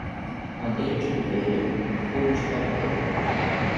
Madeira de oliveira, fogo de cavaleiro.